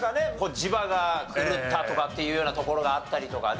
磁場が狂ったとかっていうような所があったりとかね。